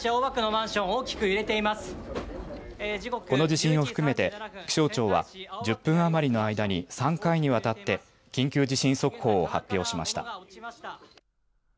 この地震を含めて気象庁は１０分余りの間に３回にわたって緊急地震速報を発表しました。